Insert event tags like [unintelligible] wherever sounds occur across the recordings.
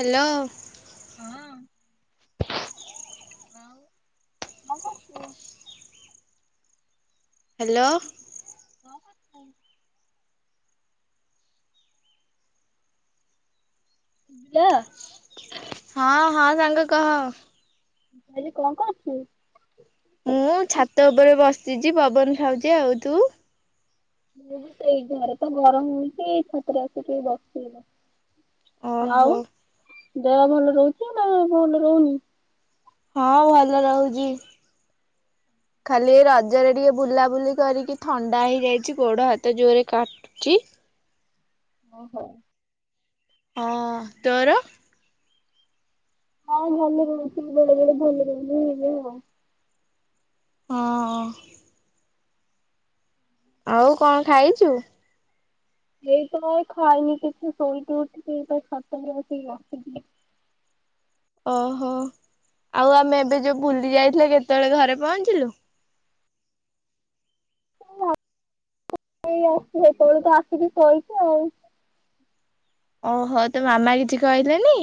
Hello. ହଁ। ଆଉ କଣ କରୁଚୁ? ହ୍ୟାଲୋ। କଣ କରୁଚ? [unintelligible] ହଁ ହଁ ସାଙ୍ଗ କହ। ଆରେ କଣ କରୁଚୁ? ମୁଁ ଛାତ ଉପରେ ବସିଚି ପବନ ଖାଉଛି ଆଉ ତୁ? ମୁଁ ବି ସେଇ ଘରେ ତ ଗରମ ହଉଚି ଏଇ ଛାତରେ ଆସିକି ବସିଚି ଏଇନା। ଆଉ ଓହୋ ଦେହ ଭଲ ରହୁଛି ନା ଭଲ ରହୁନି? ହଁ ଭଲ ରହୁଚି। [inaudible] ଖାଲି ରଜରେ ଟିକେ ବୁଲାବୁଲି କରିକି ଥଣ୍ଡା ହେଇଯାଇଛି ଗୋଡ ହାତ ଜୋରେ କାଟୁଚି। ଓହୋ। ହଁ ତୋରୋ? ହଁ ଭଲ ରହୁଛି ବେଳେ ବେଳେ ଭଲ ରହୁଛି ହେ ହଁ। ହଁ। ଆଉ କଣ ଖାଇଛୁ? ଏଇ ତ ଖାଇନି କିଛି ଶୋଇକି ଉଠିକି ଏଇ ଖଟ ଉପରେ ବସିକି ଗପୁଥିଲି ଓହୋ ଆଉ ଆମେ ଏବେ ଯୋଉ ବୁଲି ଯାଇଥିଲେ କେତେବେଳେ ଘରେ ପହଞ୍ଚିଲୁ? [unintelligible] ସେତେବେଳେ ଠୁ ଆସିକି ଶୋଇଛିି ଆଉ। ଓହୋ ତୋ ମାମା କିଛି କହିଲେନି?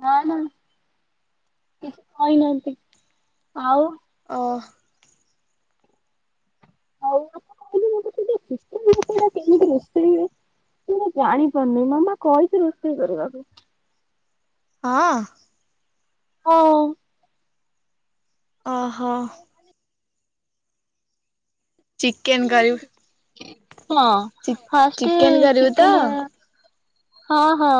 ନା ନା କିଛି କହିନାହାନ୍ତି ଆଉ। ଓହୋ। ଆଉ ଆଣ କହିଲେ ମୁଁ [unintelligible] କେମିତି ରୋଷେଇ ହୁଏ ମୁ ଜାଣିପାରୁନି ମାମା କହିଛି ରୋଷେଇ କରିବାକୁ ହଁ। ହଁ। ଅହ। ଚିକେନ୍ କରିବୁ। ହଁ ଫାଷ୍ଟେ ଚିକେନ କରିବୁ ତ? ଚିକେନ୍ ହଁ ହଁ।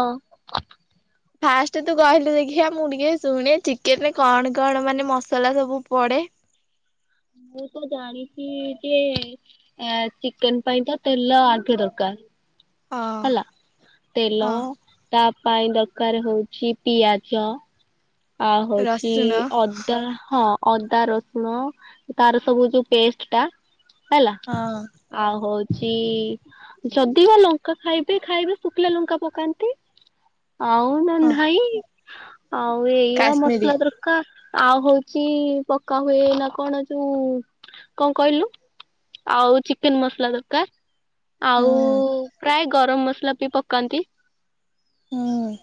ଫାଷ୍ଟ ତୁ କହିଲୁ ଦେଖିିବା ମୁଁ ଟିକେ ଶୁଣେ ଚିକେନରେ କଣ କଣ ମାନେ ମସଲା ସବୁ ପଡେ? ମୁଁ ତ ଜାଣିଛି ଯେ ଏ ଚିକେନ ପାଇଁ ତ ତେଲ ଆଗେ ଦରକାର। ହଁ ହେଲା ତେଲ ହଁ ତା ପାଇଁ ଦରକାର ହଉଛି ପିଆଜ ଆ ହଉଛି ରସୁଣ ଅ ଦା ହଁ ଅଦା ରସୁଣ ତାର ସବୁ ଯୋଉ ପେଷ୍ଟ ଟା ହେଲା ହଁ ଆଉ ହଉଚି ଯଦି ବା ଲଙ୍କା ଖାଇବେ ଖାଇବେ ଶୁଖିଲା ଲଙ୍କା ପକାନ୍ତି। ଆଉ ନ ହଁ ନାହିଁ ଆଉ ଏୟା କାଶ୍ମୀରୀ। ମସଲାଦ୍ର କା ଆଉ ହଉଛି ପକା ହୁଏ ନା କଣ ଯୋଉ କଣ କହିଲୁ ଆଉ ଚିକେନ ମସଲା ଦରକାର। ଆଉ ହୁଁ ପ୍ରାୟ ଗରମ ମସଲା ବି ପକାନ୍ତି। ହୁଁ।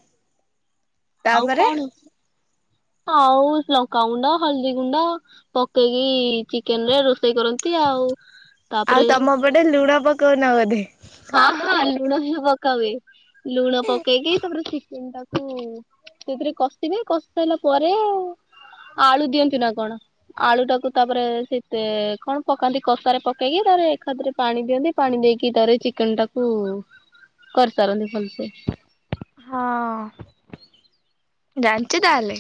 ଆଉ ତାପରେ କଣ ଆଉ ଲଙ୍କାଗୁଣ୍ଡ ହଳଦୀ ଗୁଣ୍ଡ ପକେଇକି ଚିକେନ ରେ ରୋଷେଇ କରନ୍ତି ଆଉ। ଆଉ ତାପରେ ତମପଟେ ଲୁଣ ପକଉନ ବୋଧେ। ହଁ ହଁ ଲୁଣ ବି ପକା ହୁଏ। ଲୁଣ ପକେଇକି ତାପରେ ଚିକେନ ଟାକୁ ସେଥିରେ କଷିବେ କଷି କଷି ସାରିଲା ପରେ ଆଳୁ ଦିଅନ୍ତି ନା କଣ ଆଳୁ ଟାକୁ ତାପରେ ସେତେ କଣ ପକାନ୍ତି କଶା ରେ ପକେଇକି ତାରେ ଏକାଥେରେ ପାଣି ଦିଅନ୍ତି। ପାଣି ଦେଇକି ତାର ଚିକେନ ଟାକୁ କରିସାରନ୍ତି ଭଲସେ। ହଁ। ଜାଣିଛୁ ତାହଲେ।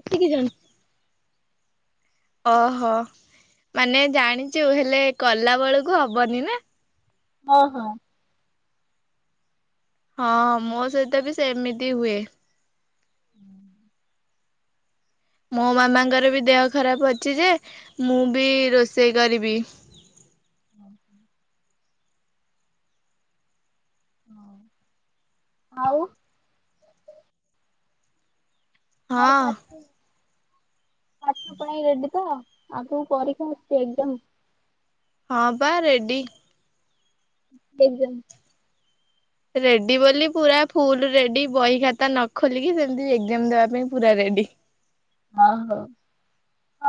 ଏତିିକି ଜାଣିଛି। ଓହୋ, ମାନେ ଜାଣିଛୁ ହେଲେ କଲା ବେଳକୁ ହବନି ନା? ହଁ ହଁ। ହଁ ମୋ ସହିତ ବି ସେମିତି ହୁଏ। ହୁଁ ମୋ ମାମାଙ୍କର ବି ଦେହ ଖରାପ ଅଛି ଯେ ମୁଁ ବି ରୋଷେଇ କରିବି। ହୁଁ ହଁ ଆଉ। ହଉ ହଁ [unintelligible] ପାଠ ପାଇଁ ରେଡି ତ ଆଗକୁ ପରୀକ୍ଷା ଆସିୁଛି ଏକ୍ସାମ୍। ହଁ ପ ରେଡ଼ି। ଏକଜାମ। ରେଡି ବୋଲି ପୁରା ଫୁଲ ରେଡି ବହି ଖାତା ନ ଖୋଲିକି ସେମିତି ଏକ୍ଜାମ ଦେବା ପାଇଁ ପୁରା ରେଡି। ଓହୋ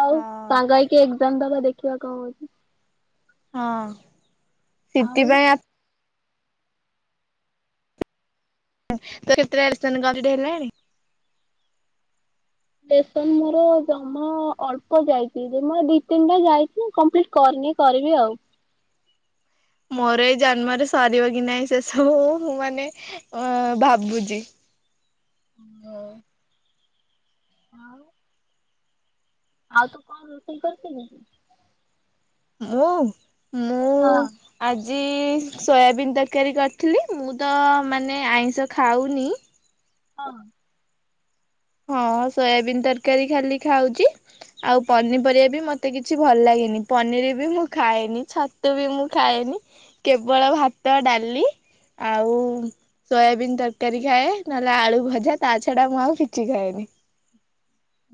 ଆଉ ହଁ ସାଙ୍ଗ ହେଇକି ଏକ୍ଜାମ ଦବା ଦେଖିବା କଣ ହଉଛି। ହଁ ଆଉ ଶିଟି ପାଇଁ ଆ ତୋର କେତେଟା ଲେସନ କମ୍ପ୍ଲିଟି ହେଲାଣି? ଲେସନ ମୋର ଜମା ଅଳ୍ପ ଯାଇଛି ଜମା ଦି ତିନିଟା ଯାଇଛି କମ୍ପ୍ଲିଟି କରିନି କରିବି ଆଉ। ମୋର ଏଇ ଜନ୍ମରେ ସରିବ କି ନାହିଁ ସେସବୁ ମୁଁ ମାନେ ଅ ଭାବୁଛି। ଓ ହଁ। ଆଉ ତୁ କଣ ରୋଷେଇ କରିଥିଲୁ? ମୁଁ? ହଁ। ଆଜି-ଇ-ଇ-ଇ ସୋୟାବିନ୍ ତରକାରୀ କରିଥିଲି ମୁଁ ତ-ଅ-ଅ ମାନେ ଆଇଁଷ ଖାଉନି। ହଁ। ହଁ ସୋୟାବିିନ ତରକାରୀ ଖାଲି ଖାଉଛି। ଆଉ ପନିପରିବା ବି ମତେ କିଛି ଭଲ ଲାଗେନି। ପନିର ବି ମୁଁ ଖାଏନି ଛତୁ ବି ମୁଁ ଖାଏନି। କେବଳ ଭାତ, ଡାଲି ଆଉ-ଉ-ଉ-ଉ ସୋୟାବିିନ ତରକାରୀ ଖାଏ ନହେଲେ ଆଳୁ ଭଜା ତା ଛଡା ମୁଁ ଆଉ କି ଛି ଖାଏନି।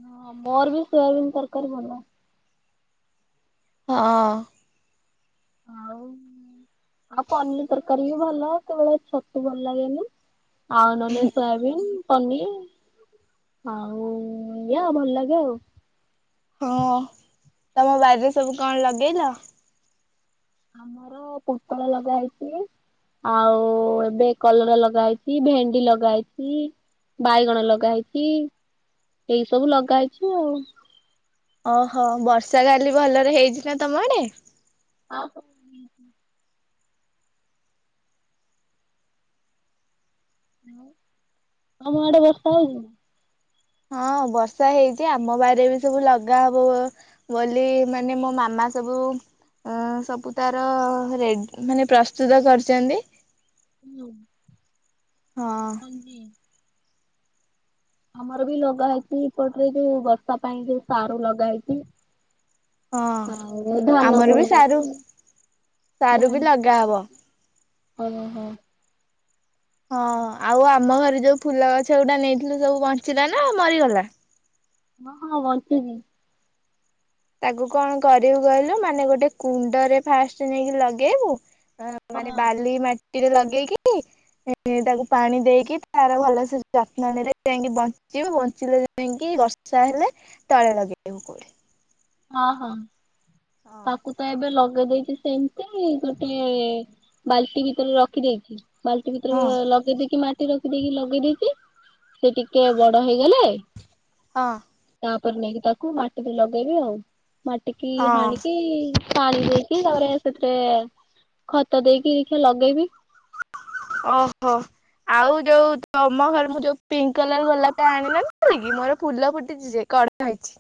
ହଁ ମୋର ବି ସୋୟାବିିନ ତରକାରୀ ଭଲ। ହଁ। ଆଉ ଆଉ ପନିର ତରକାରୀ ବି ଭଲ, କେତେବେଳେ ଛତୁ ଭଲ ଲାଗେନି ଆଉ ନହେଲେ ସୋୟାବିିନ ପନିର ଆଉ-ଉ-ଉ-ଉ ୟା ଭଲ ଲାଗେ ଆଉ। ହଁ ତମ ବାରିରେ ସବୁ କଣ ଲଗେଇଲ? ଆମର ପୋଟଳ ଲଗା ହେଇଛି। ଆଉ-ଉ-ଉ ଏବେ କଲରା ଲଗେହେଇଛି ଭେଣ୍ଡି ଲଗାହେଇଛି। ବାଇଗଣ ଲଗା ହେଇଛି ଏଇ ସବୁ ଲଗା ହେଇଛି ଆଉ। ଓହୋ ବର୍ଷା କାଲି ଭଲରେ ହେଇଛି ନା ତମ ଆଡେ? [unintelligible] ଆମ ଆଡେ ବର୍ଷା ହଉଛି। ହଁ ବର୍ଷା ହେଇଛି ଆମ ବାରିରେ ବି ସବୁ ଲଗା ହବବ ବୋଲି-ଇ-ଇ ମାନେ ମୋ ମାମା ସବୁ ଅ-ଅ ସବୁ ତାର-ଅ-ଅ ରେଡ୍ ମାନେ ପ୍ରସ୍ତୁତ କରିଛନ୍ତି। ହୁଁ। ହଁ। [unintelligible] ଆମର ବି ଲଗା ହେଇଛି ଏପଟରେ ଯୋଉ ବର୍ଷା ପାଇଁ ଯୋଉ ସାରୁ ଲଗା ହେଇଛି। ହଁ ଆଉ ଧାନ ଆମର ବି ବୁଣା ସାରୁ ହେଇଛି। ସାରୁ ବି ଲଗା ହବ। ଓ ହୋ। ହଁ ଆଉ ଆମ ଘରେ ଯୋଉ ଫୁଲ ଗଛ ଗୁଡା ନେଇଥିଲୁ ସବୁ ବଞ୍ଚିଲା ନା ମରିଗଲା? ହଁ ହଁ ବଞ୍ଚିଚି। ତାକୁ କଣ କରିବୁ କହିଲୁ ମାନେ ଗୋଟେ କୁଣ୍ଡରେ ଫାଷ୍ଟ ନେଇକି ଲଗେଇବୁ ମାନେ ବାଲି ମାଟିରେ ଲଗେଇକି ତାକୁ ପାଣି ଦେଇକି ତାର ଭଲସେ ଯତ୍ନ ନେଲେ ଯାଇକି ବଞ୍ଚିବି ବଞ୍ଚିଲେ ଯାଇଁକି ବର୍ଷା ହେଲେ ତଳେ ଲଗେଇବୁ କୋଉଠି। ହଁ ହଁ। ହଁ ତାକୁ ତ ଏବେ ଲଗେଇ ଦେଇଛି ସେମିତି-ଇ-ଇ ଗୋଟେ-ଏ-ଏ ବାଲ୍ଟି ଭିତରେ ରଖିଦେଇଛି। ବାଲଟି ହଁ ଭିତରେ-ଏ-ଏ ଲଗେଇ ଦେଇକି ମା ସେଠି ରଖିଦେଇକି ଲଗେଇ ଦେଇକି ସେ ଟିକେ ବଡ ହେଇଗଲେ-ଏ ହଁ। ତାପରେ ନେଇକି ତାକୁ ମାଟିରେ ଲଗେଇବି ଆଉ। ମାଟିିକି ହାଣି ହଁ ଇ-ଇ ପାଣି ଦେଇକି ତାପରେ ସେତେ-ଏ ଖତ ଦେଇକି ଇଖି ଲଗେଇବି। ଓହୋ। ଆଉ ଯୋଉ ତମ ଘର ମୁଁ ଯୋଉ ପିଙ୍କ୍ କଲର ବାଲା ଟା ଆଣିନଥିଲି କି ମୋର ଫୁଲ ଫୁଟିଛି କଢ ଯାଇଛି।